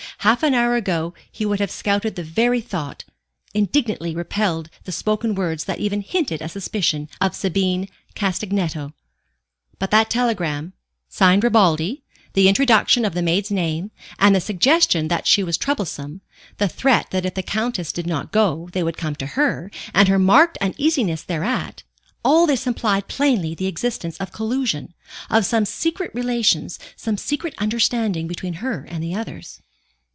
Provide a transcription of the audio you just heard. Half an hour ago he would have scouted the very thought, indignantly repelled the spoken words that even hinted a suspicion of Sabine Castagneto. But that telegram, signed Ripaldi, the introduction of the maid's name, and the suggestion that she was troublesome, the threat that if the Countess did not go, they would come to her, and her marked uneasiness thereat all this implied plainly the existence of collusion, of some secret relations, some secret understanding between her and the others.